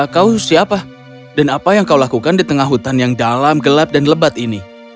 kau siapa dan apa yang kau lakukan di tengah hutan yang dalam gelap dan lebat ini